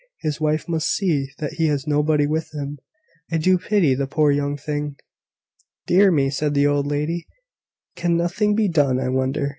His wife must see that he has nobody with him. I do pity the poor young thing!" "Dear me!" said the old lady, "can nothing be done, I wonder.